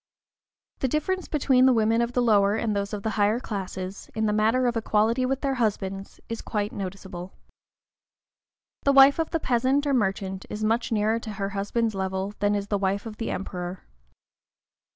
The difference between the women of the lower and those of the higher classes, in the matter of equality with their husbands, is quite noticeable. The wife of the peasant or merchant is much nearer to her husband's level than is the wife of the Emperor.